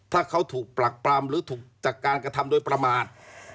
ถ้าเขาถูกปรักปรามหรือถูกจากการกระทำโดยประมาท